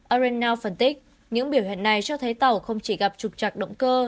arenal phân tích những biểu hiện này cho thấy tàu không chỉ gặp trục chặt động cơ